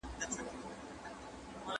د بورې وېش په عادلانه ډول روان دی.